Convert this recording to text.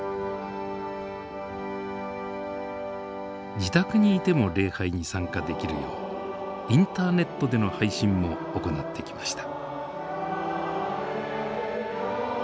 自宅にいても礼拝に参加できるようインターネットでの配信も行ってきました。